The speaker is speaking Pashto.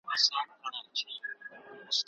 سياست د ټولو لپاره يو شان فرصت دی.